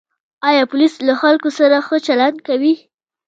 آیا پولیس له خلکو سره ښه چلند کوي؟